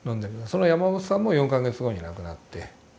その山本さんも４か月後に亡くなって。